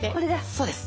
そうです。